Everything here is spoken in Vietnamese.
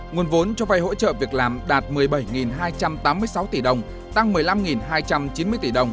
nguồn vốn cho vay hỗ trợ việc làm đạt một mươi bảy hai trăm tám mươi sáu tỷ đồng tăng một mươi năm hai trăm chín mươi tỷ đồng